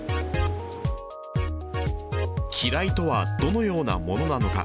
機雷とはどのようなものなのか。